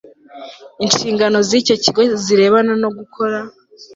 Inshingano z icyo kigo zirebana no gukora